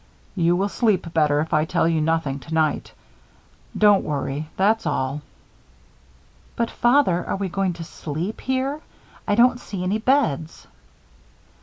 "You will sleep better if I tell you nothing tonight. Don't worry that's all." "But, Daddy, are we going to sleep here? I don't see any beds."